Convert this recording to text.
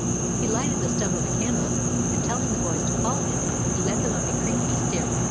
He lighted the stub of a candle, and telling the boys to follow him, he led them up a creaky stairway.